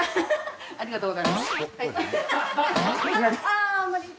ありがとうございます。